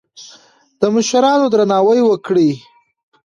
د مشرانو درناوی وکړئ.